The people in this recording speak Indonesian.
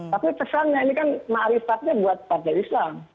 tapi pesannya ini kan ma'rifatnya buat partai islam